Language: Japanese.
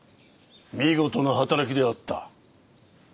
見事な働きであった。